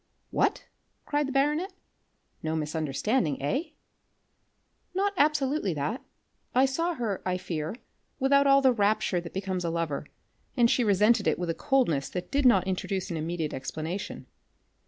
"What" cried the baronet, "no misunderstanding, eh?" "Not absolutely that. I saw her, I fear, without all the rapture that becomes a lover, and she resented it with a coldness that did not introduce an immediate explanation.